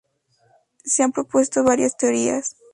Se han propuesto varias teorías.